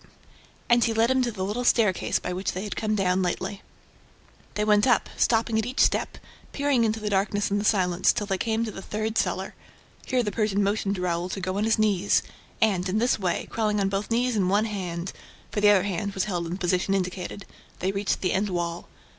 And he led him to the little staircase by which they had come down lately. They went up, stopping at each step, peering into the darkness and the silence, till they came to the third cellar. Here the Persian motioned to Raoul to go on his knees; and, in this way, crawling on both knees and one hand for the other hand was held in the position indicated they reached the end wall.